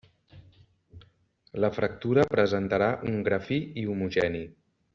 La fractura presentarà un gra fi i homogeni.